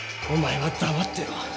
お前は黙ってろ。